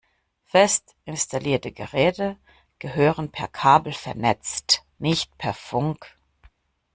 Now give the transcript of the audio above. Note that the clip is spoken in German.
Fest installierte Geräte gehören per Kabel vernetzt, nicht per Funk.